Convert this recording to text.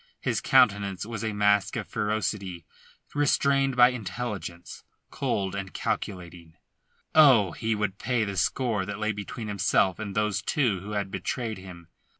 His countenance was a mask of ferocity restrained by intelligence, cold and calculating. Oh, he would pay the score that lay between himself and those two who had betrayed him.